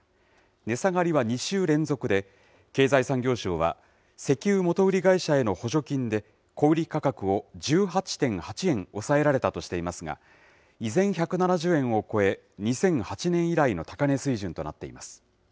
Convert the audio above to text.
値下がりは２週連続で経済産業省は、石油元売り会社への補助金で、小売り価格を１８．８円抑えられたとしていますが、依然、１７０円を超え、２００８年以来の高値水準となっています。